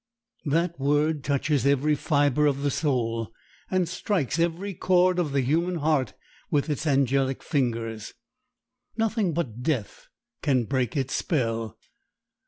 That word touches every fiber of the soul, and strikes every chord of the human heart with its angelic fingers. Nothing but death can break its spell.